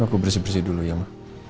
aku bersih bersih dulu ya mbak